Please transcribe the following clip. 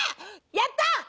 やった！